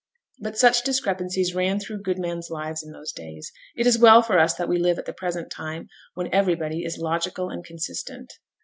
But such discrepancies ran through good men's lives in those days. It is well for us that we live at the present time, when everybody is logical and consistent.